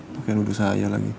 bukan budu saya lagi